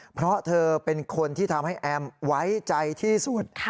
เพราะเธอเป็นคนที่ทำให้แอมไว้ใจที่สุด